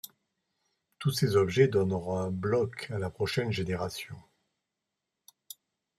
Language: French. Tous ces objets donneront un bloc à la prochaine génération.